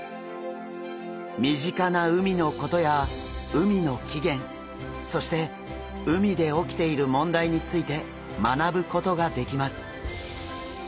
身近な海のことや海の起源そして海で起きている問題について学ぶことができます。